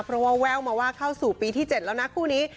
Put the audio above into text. เพราะว่าแววมาว่าเข้าสู่ปีที่๗แล้วนะคู่นี้